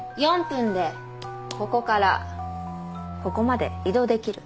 ４分でここからここまで移動できる？